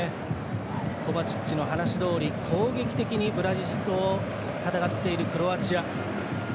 コバチッチの話どおり攻撃的にブラジルと戦っているクロアチア。